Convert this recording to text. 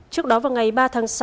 trước đó vào ngày ba tháng sáu